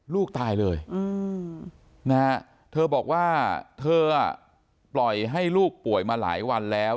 ลูกตายเลยนะฮะเธอบอกว่าเธอปล่อยให้ลูกป่วยมาหลายวันแล้ว